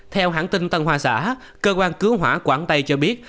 theo hãng tin tân hoa xã cơ quan cứu hỏa quảng tây cho biết